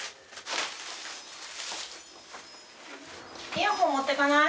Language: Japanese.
イヤホン持ってかない？